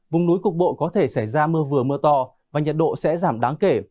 vùng núi cục bộ có thể xảy ra mưa vừa mưa to và nhiệt độ sẽ giảm đáng kể